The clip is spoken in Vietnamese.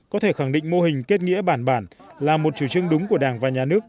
có thể khẳng định mô hình kết nghĩa bản bản là một chủ trương đúng của đảng và nhà nước